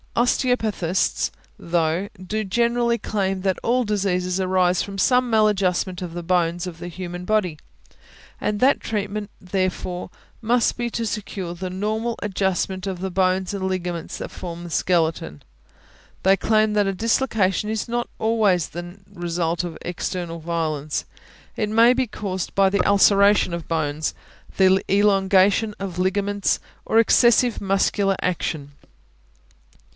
Osteopathists, though, do generally claim that all diseases arise from some maladjustment of the bones of the human body, and that treatment, therefore, must be to secure the normal adjustment of the bones and ligaments that form the skeleton. They claim that a dislocation is not always necessarily the result of external violence; it may be caused by the ulceration of bones, the elongation of ligaments, or excessive muscular action.